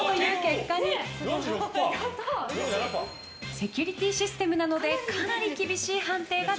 ［セキュリティーシステムなのでかなり厳しい判定が出ます］